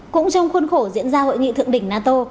cũng trong khuôn khổ diễn ra hội nghị thượng đỉnh nato